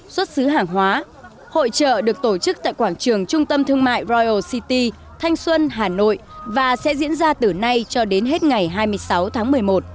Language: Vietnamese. xuất xứ hàng hóa hội trợ được tổ chức tại quảng trường trung tâm thương mại royal city thanh xuân hà nội và sẽ diễn ra từ nay cho đến hết ngày hai mươi sáu tháng một mươi một